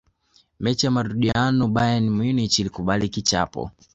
mechi ya marudiano bayern munich ilikubali kichapo